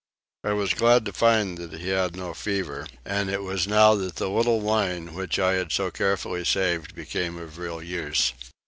I was glad to find that he had no fever; and it was now that the little wine which I had so carefully saved became of real use.